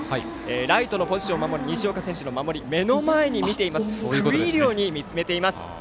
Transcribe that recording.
ライトのポジションを守る西岡選手の守り目の前で食い入るように見つめています。